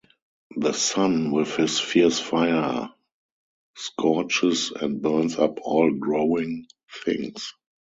The sun, with his fierce fire, scorches and burns up all growing things.